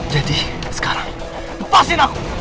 jadi sekarang lepasin aku